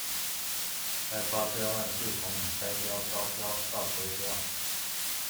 開發標案是從你開標、招標到得標